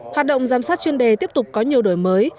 hoạt động giám sát chuyên đề tiếp tục có nhiều đổi mới